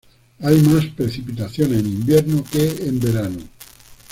Hay más precipitaciones en invierno que en verano.